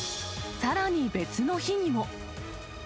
さらに別の日にも。